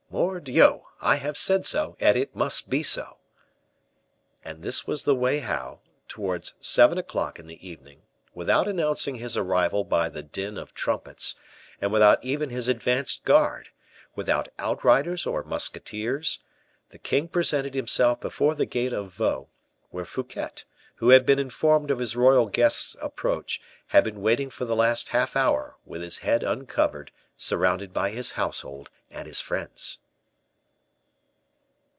Mordioux! I have said so, and it must be so." And this was the way how, towards seven o'clock in the evening, without announcing his arrival by the din of trumpets, and without even his advanced guard, without out riders or musketeers, the king presented himself before the gate of Vaux, where Fouquet, who had been informed of his royal guest's approach, had been waiting for the last half hour, with his head uncovered, surrounded by his household and his friends.